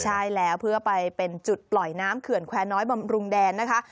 ใช่แล้วเพื่อไปเป็นจุดปล่อยน้ำเขื่อนแควร์น้อยบำรุงแดนนะคะ